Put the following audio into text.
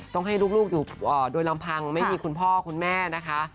ต้องให้ลูกอยู่โดยลำพังไม่มีคุณพ่อคุณแม่นะคะ